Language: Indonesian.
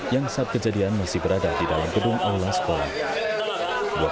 yang saat kejadian masih berada di dalam gedung aula sekolah